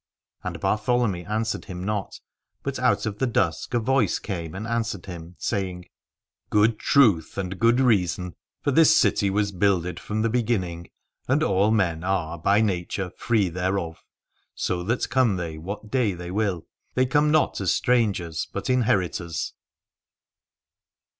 And Bartholomy answered him not, but out of the dusk a voice came and answered him, saying : Good truth and good reason, for this city was builded from the beginning, and all men are by nature free thereof; so that come they what day they will they come not as strangers but inheritors.